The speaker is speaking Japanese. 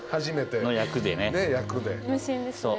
無心ですね。